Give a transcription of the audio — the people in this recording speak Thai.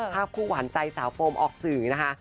หวานใจสาวโฟมออกสื่อนะคะ